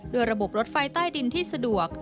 โดยระบบรถไฟใต้ดินที่สะดวก